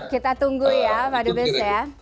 kita tunggu ya pak dubes ya